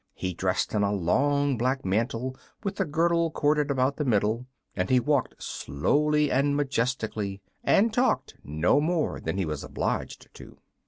He dressed in a long black mantle with a girdle corded about the middle, and he walked slowly and majestically, and talked no more than he was obliged to.